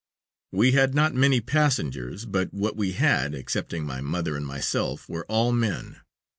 We had not many passengers, but what we had, excepting my mother and myself, were all men.